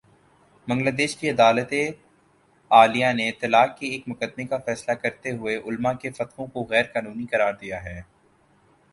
بنگلہ دیش کی عدالتِ عالیہ نے طلاق کے ایک مقدمے کا فیصلہ کرتے ہوئے علما کے فتووں کو غیر قانونی قرار دیا ہے